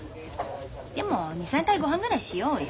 でも２３回ごはんぐらいしようよ。